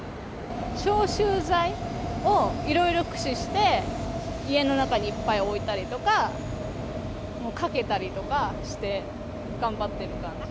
消臭剤をいろいろ駆使して、家の中にいっぱい置いたりとか、もうかけたりとかして、頑張ってる感じ。